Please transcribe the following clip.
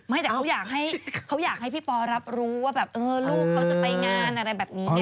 ไม่แต่เขาอยากให้เขาอยากให้พี่ปอรับรู้ว่าแบบลูกเขาจะไปงานอะไรแบบนี้